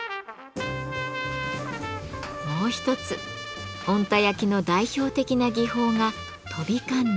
もう一つ小鹿田焼の代表的な技法が「飛び鉋」。